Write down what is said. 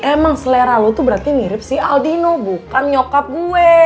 emang selera lu tuh berarti mirip si aldino bukan nyokap gue